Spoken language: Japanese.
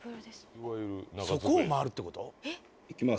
そこを回るってこと⁉いきます。